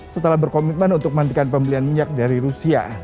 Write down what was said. setelah berkomitmen untuk matikan pembelian minyak dari rusia